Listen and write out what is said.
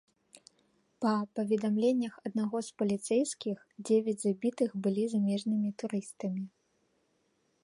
Па паведамленнях аднаго з паліцэйскіх, дзевяць забітых былі замежнымі турыстамі.